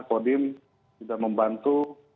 kodim sudah membantu